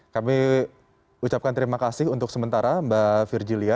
kami ucapkan terima kasih untuk sementara mbak virgilia